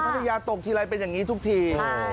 พัทยาตกทีใดเป็นอย่างงี้ทุกที